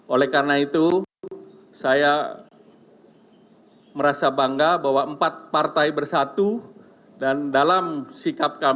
oleh karena itu saya merasa bangga bahwa empat partai bersatu dan dalam sikap kami